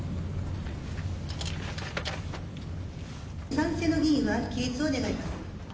賛成の議員は起立を願います。